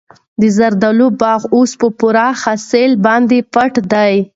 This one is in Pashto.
د زردالو باغ اوس په پوره حاصل باندې پټ دی.